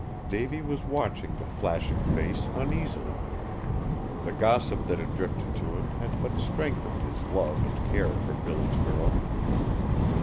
Davy was watching the flashing face uneasily. The gossip that had drifted to him had but strengthened his love and care for Billy's girl.